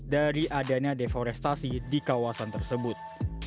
dari adanya deforestasi di kawasan tersebut